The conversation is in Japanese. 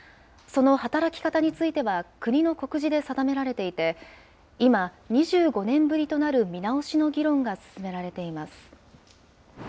その働き方については、国の告示で定められていて、今、２５年ぶりとなる見直しの議論が進められています。